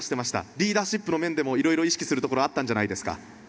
リーダーシップの面でもいろいろ意識することもあったんじゃないですか。